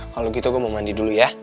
kalo gitu gue mau mandi dulu ya